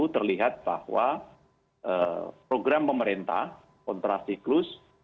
terlihat bahwa program pemerintah kontrasiklus